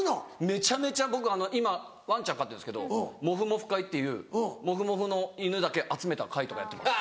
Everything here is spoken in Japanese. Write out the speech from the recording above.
めちゃめちゃ僕あの今ワンちゃん飼ってるんですけどモフモフ会っていうモフモフの犬だけ集めた会とかやってます。